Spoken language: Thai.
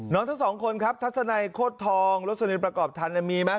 น้องทั้งสองคนครับทัศนัยโคตรทองรสนินประกอบธรรมมีมั้ย